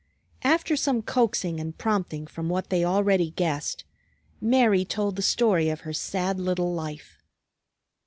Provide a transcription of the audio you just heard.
After some coaxing and prompting from what they already guessed, Mary told the story of her sad little life.